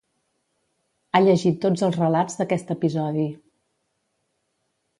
Ha llegit tots els relats d'aquest episodi.